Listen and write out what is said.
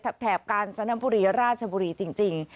ถัดแถบกาลศนบุรีจริง